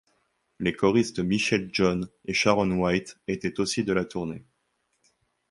Les choristes Michelle John et Sharon White étaient aussi de la tournée.